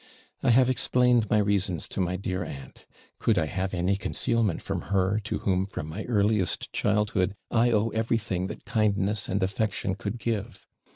I have explained my reasons to my dear aunt Could I have any concealment from her, to whom, from my earliest childhood, I owe everything that kindness and affection could give?